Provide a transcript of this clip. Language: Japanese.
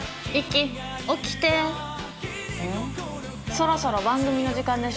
そろそろ番組の時間でしょ？